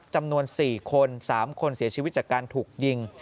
จำนวน๔คน๓คนเสียชีวิตจากการถูกยิง